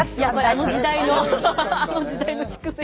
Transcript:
あの時代のあの時代の蓄積。